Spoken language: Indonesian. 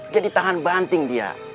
jadi tangan banting dia